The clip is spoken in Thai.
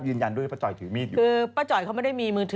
เพราะว่าตอนนี้ก็ไม่มีใครไปข่มครูฆ่า